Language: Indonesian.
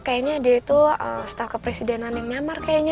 kayaknya dia itu staf kepresidenan yang nyamar kayaknya